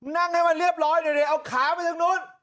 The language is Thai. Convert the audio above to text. นั่งให้มันเรียบร้อยเดี๋ยวเอาขาไปทางนู้น